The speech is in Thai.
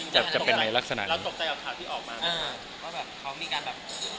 จะเป็นในลักษณะเราตกใจกับข่าวที่ออกมาอ่าว่าแบบเขามีการแบบ